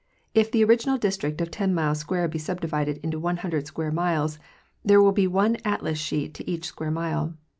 If the original District of ten miles square be subdivided into 100 square miles there will be one atlas sheet to each square mile.